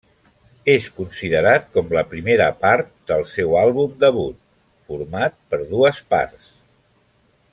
És considerat com la primera part del seu àlbum debut, format per dues parts.